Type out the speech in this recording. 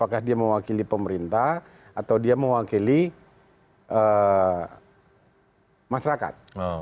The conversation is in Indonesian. apakah dia mewakili pemerintah atau dia mewakili masyarakat